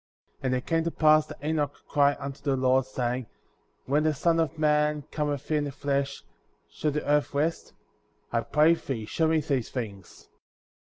54. And it came to pass that Enoch cried unto the Lord,^ saying : When the Son of Man^ cometh in the flesh,* shall the earth rest?^ I pray thee, show me these things.